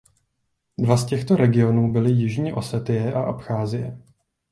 Dva z těchto regionů byly Jižní Osetie a Abcházie.